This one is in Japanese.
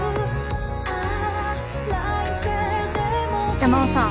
山尾さん